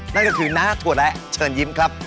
นั่นก็คือน้าถั่วและเชิญยิ้มครับ